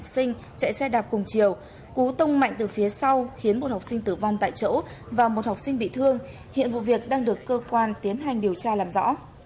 xin chào và hẹn gặp lại